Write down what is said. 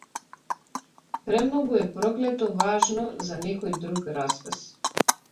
Премногу е проклето важно за некој друг расказ.